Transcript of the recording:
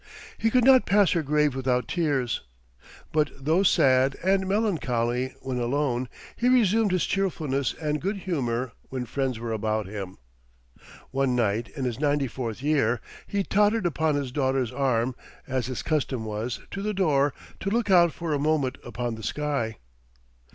He could not pass her grave without tears. But though sad and melancholy when alone, he resumed his cheerfulness and good humor when friends were about him. One night, in his ninety fourth year, he tottered upon his daughter's arm, as his custom was, to the door, to look out for a moment upon the sky.